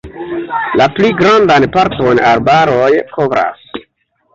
La pli grandan parton arbaroj kovras.